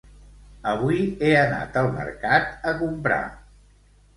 Avui he anat al mercat a comprar